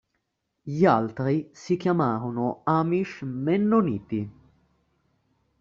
Gli altri si chiamarono amish mennoniti.